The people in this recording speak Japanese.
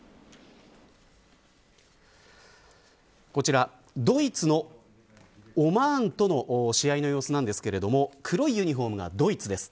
こちら、ドイツのオマーンとの試合の様子なんですが黒いユニホームがドイツです。